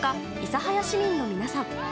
諫早市民の皆さん。